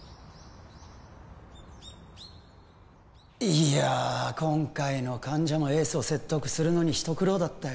いや今回の患者もエースを説得するのに一苦労だったよ